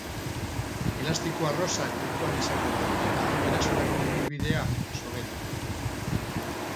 Elastiko arrosa jokoan izango da eta erasorako ibilbidea, soberan.